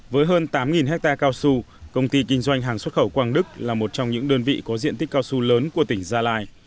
với hơn tám hectare cao su công ty kinh doanh hàng xuất khẩu quang đức là một trong những đơn vị có diện tích cao su lớn của tỉnh gia lai